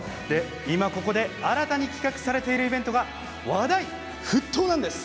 今ここで新たに企画されているイベントが話題沸騰なんです。